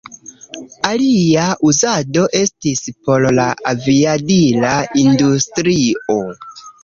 Alia uzado estis por la aviadila industrio.